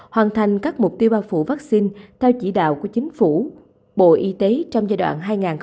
hoàn thành các mục tiêu bao phủ vaccine theo chỉ đạo của chính phủ bộ y tế trong giai đoạn hai nghìn một mươi sáu hai nghìn hai mươi năm